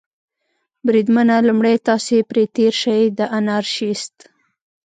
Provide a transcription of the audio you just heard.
بریدمنه، لومړی تاسې پرې تېر شئ، د انارشیست.